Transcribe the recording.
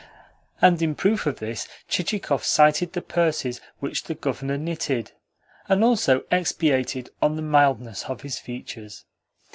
And in proof of this Chichikov cited the purses which the Governor knitted, and also expatiated on the mildness of his features.